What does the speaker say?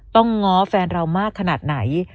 ง้อแฟนเรามากขนาดไหน